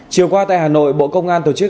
chiều qua tại hà nội bộ công an tổ chức